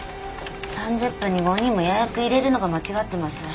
３０分に５人も予約入れるのが間違ってます。